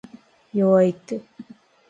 弱いって